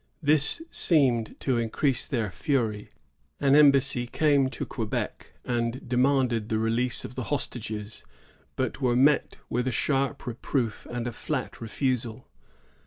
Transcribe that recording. This seemed to increase their fury. An embassy came to Quebec and demanded the release of the hostages, but were met with a sharp reproof and a flat refusal.